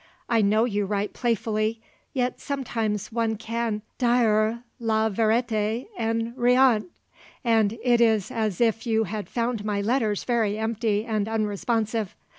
I know you write playfully, yet sometimes one can dire la vérité en riant, and it is as if you had found my letters very empty and unresponsive.